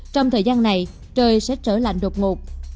trong thời gian này trời sẽ trở lạnh đột ngột